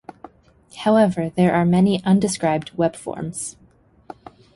However, there are many undescribed web forms.